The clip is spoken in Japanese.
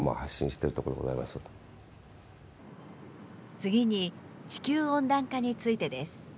次に、地球温暖化についてです。